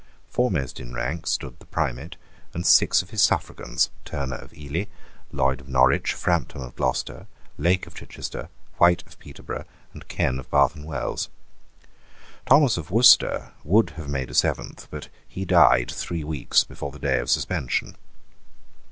Foremost in rank stood the Primate and six of his suffragans, Turner of Ely, Lloyd of Norwich, Frampton of Gloucester, Lake of Chichester, White of Peterborough, and Ken of Bath and Wells. Thomas of Worcester would have made a seventh: but he died three weeks before the day of suspension.